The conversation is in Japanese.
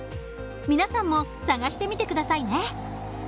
皆さんも探してみて下さいね。